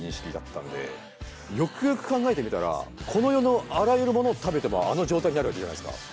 よくよく考えてみたらこの世のあらゆるものを食べてもあの状態になるわけじゃないですか。